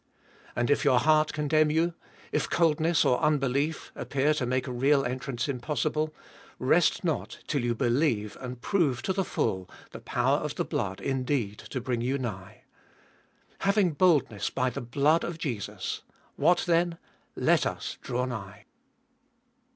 And if your heart condemn you, if coldness or unbelief appear to make a real entrance impossible, rest not till you believe and prove to the full the power of the blood indeed to bring you nigh. Having boldness by the blood of Jesus, — what then — let us draw nigh